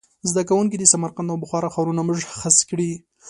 زده کوونکي دې سمرقند او بخارا ښارونه مشخص کړي.